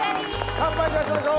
乾杯いたしましょう！